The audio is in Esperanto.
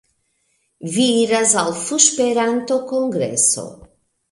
Vi iras al fuŝperanto-kongreso...